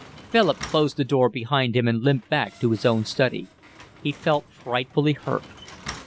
Philip closed the door behind him and limped back to his own study. He felt frightfully hurt.